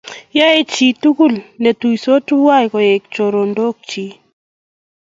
yoe chii tugul netuisot tuwai koek chorondochik